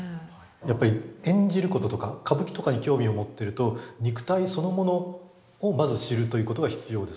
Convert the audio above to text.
やっぱり演じることとか歌舞伎とかに興味を持ってると肉体そのものをまず知るということが必要です。